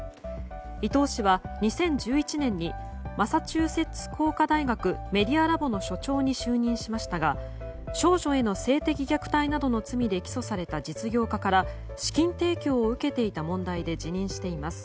伊藤氏は２０１１年にマサチューセッツ工科大学メディアラボの所長に就任しましたが少女への性的虐待などの罪で起訴された実業家から資金提供を受けていた問題で辞任しています。